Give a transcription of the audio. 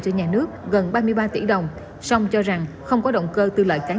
cho nhà nước gần ba mươi ba tỷ đồng song cho rằng không có động cơ tư lợi cán